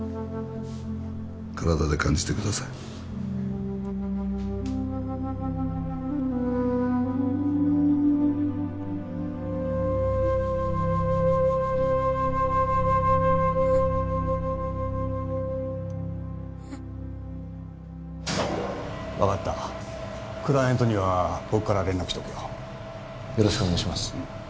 体で感じてください・分かったクライアントには僕から連絡しとくよよろしくお願いします